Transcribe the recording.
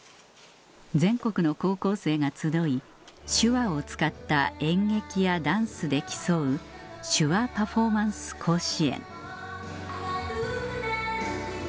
全国の高校生が集い手話を使った演劇やダンスで競う「手話パフォーマンス甲子園」